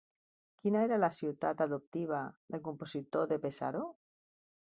Quina era la ciutat adoptiva del compositor de Pesaro?